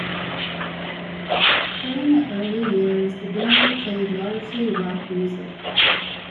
During their early years, the band played largely rock music.